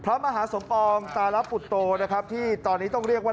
พระมหาสมปองตารับปุตโตนะครับที่ตอนนี้ต้องเรียกว่า